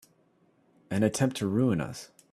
An attempt to ruin us!